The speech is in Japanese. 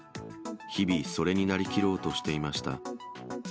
日々、それになりきろうとしていました。